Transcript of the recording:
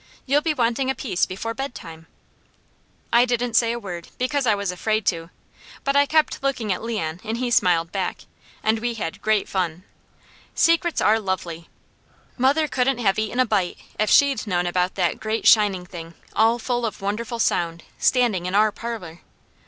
You'll be wanting a piece before bedtime." I didn't say a word, because I was afraid to, but I kept looking at Leon and he smiled back, and we had great fun. Secrets are lovely. Mother couldn't have eaten a bite if she'd known about that great shining thing, all full of wonderful sound, standing in our parlour.